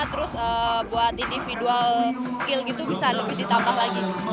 terus buat individual skill gitu bisa lebih ditambah lagi